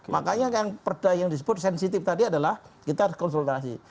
makanya perda yang disebut sensitif tadi adalah kita konsultasi